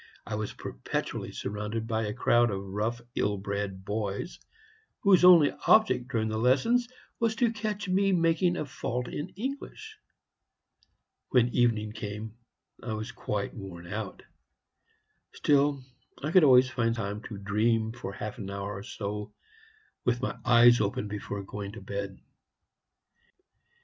I was perpetually surrounded by a crowd of rough, ill bred boys, whose only object during lessons was to catch me making a fault in English. When evening came, I was quite worn out; still, I could always find time to dream for half an hour or so with my eyes open before going to bed.